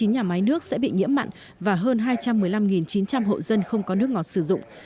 chín mươi nhà máy nước sẽ bị nhiễm mặn và hơn hai trăm một mươi năm chín trăm linh hộ dân không có nước ngọt sử dụng